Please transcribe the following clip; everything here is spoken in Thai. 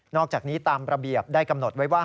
อกจากนี้ตามระเบียบได้กำหนดไว้ว่า